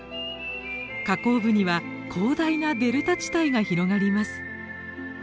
河口部には広大なデルタ地帯が広がります。